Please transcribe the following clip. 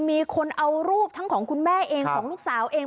มีคนเอารูปทั้งของคุณแม่เองของลูกสาวเอง